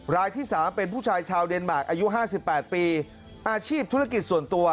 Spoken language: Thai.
รายที่๓เป็นผู้ชายชาวเดนมาร์อายุ๕๘ปีอาชีพธุรกิจส่วนตัว